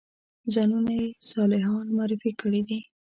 ځانونه یې صالحان معرفي کړي دي.